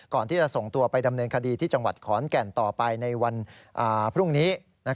ก่อนที่จะส่งตัวไปดำเนินคดีที่จังหวัดขอนแก่นต่อไปในวันพรุ่งนี้